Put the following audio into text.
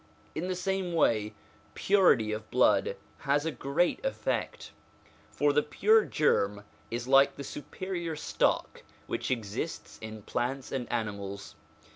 In the same way, purity of blood has a great effect; for the pure germ is like the superior stock which exists in plants and animals.